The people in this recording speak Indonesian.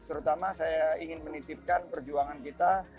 terutama saya ingin menitipkan perjuangan kita